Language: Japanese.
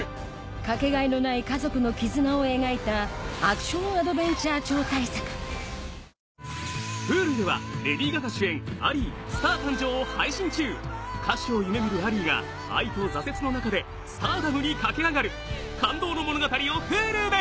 かけがえのない家族の絆を描いたアクション・アドベンチャー超大作Ｈｕｌｕでは歌手を夢見るアリーが愛と挫折の中でスターダムに駆け上がる感動の物語をＨｕｌｕで